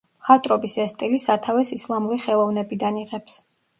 მხატვრობის ეს სტილი სათავეს ისლამური ხელოვნებიდან იღებს.